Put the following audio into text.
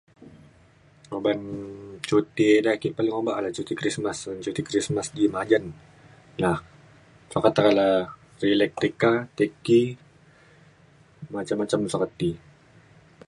uban cuti de ake paling obak na cuti Christmas un cuti Christmas di majan la sukat teke le rilek ti ka ti ki macam macam le sukat ti